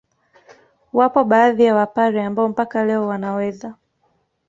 Wapo baadhi ya Wapare ambao mpaka leo wanaweza